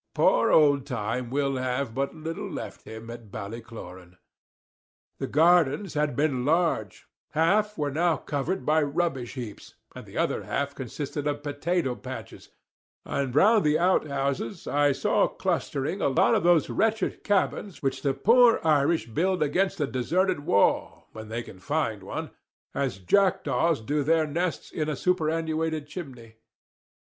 Poor old Time will have but little left him at Ballycloran! The gardens had been large; half were now covered by rubbish heaps, and the other half consisted of potato patches; and round the out houses I saw clustering a lot of those wretched cabins which the poor Irish build against a deserted wall, when they can find one, as jackdaws do their nests in a superannuated chimney.